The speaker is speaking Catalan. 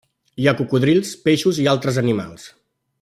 Hi ha cocodrils, peixos i altres animals.